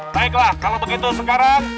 baiklah kalau begitu sekarang